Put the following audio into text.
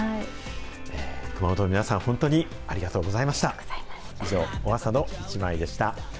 熊本の皆さん、本当にありがとうございました。